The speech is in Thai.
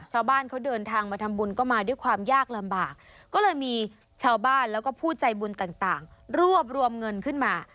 ชาวบ้านเขาเดินทางมาทำบุญก็มาด้วยความยากลำบากก็เลยมีชาวบ้านแล้วก็ผู้ใจบุญต่างรวบรวมเงินขึ้นมา